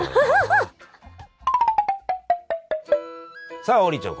さあ王林ちゃん